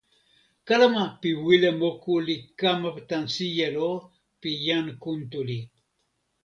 kalama pi wile moku li kama tan sijelo pi jan Kuntuli.